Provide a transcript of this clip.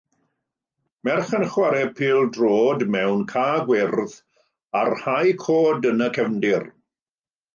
Merch yn chwarae pêl-droed mewn cae gwyrdd â rhai coed yn y cefndir.